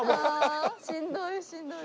ああしんどいしんどい。